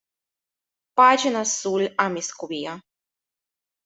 Pagina sull'amiskwia